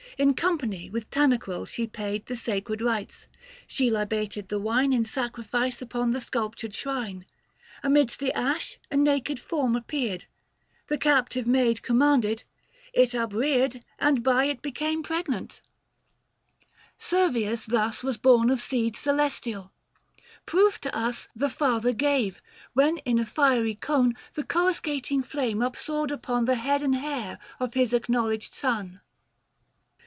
760 In company with Tanaquil she paid The sacred rites ; she libated the wine In sacrifice upon the sculptured shrine. Amidst the ash a naked form appeared ; The captive maid commanded, it upreared, 765 Book VI. THE FASTI. 201 And by it became pregnant : Servius thus Was born of seed celestial. Proof to us The father gave, when in a fiery cone The coruscating flame upsoared upon The head and hair of his acknowledged son.